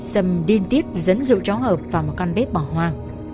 sâm điên tiết dẫn rượu chó hợp vào một căn bếp bỏ hoa